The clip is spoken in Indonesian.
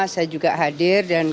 kita berada di jawa timur